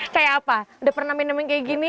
kayak apa udah pernah minum yang kayak gini